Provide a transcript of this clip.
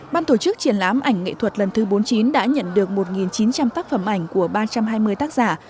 ban tổ chức triển lãm ảnh nghệ thuật lần thứ bốn mươi chín đã nhận được một chín trăm linh tác phẩm ảnh của ba trăm hai mươi tác giả